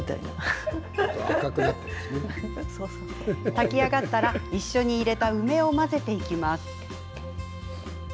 炊き上がったら、一緒に入れた梅を混ぜていきます。